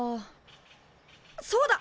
そうだ！